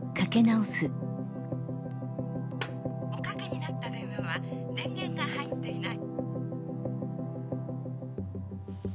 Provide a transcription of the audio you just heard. おかけになった電話は電源が入っていない。